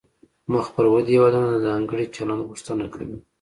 مخ پر ودې هیوادونه د ځانګړي چلند غوښتنه کوي